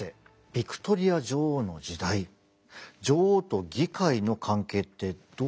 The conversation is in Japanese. ヴィクトリア女王の時代女王と議会の関係ってどうなっていたんでしょうか？